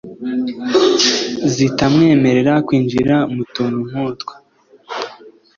zitamwemerera kwinjira mu tuntu nk’utwo